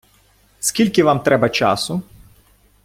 Скільки вам треба часу?